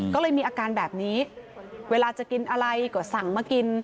ก็เลยมีอาการแบบนี้เวลาจะกินอะไรก็สั่งมากิน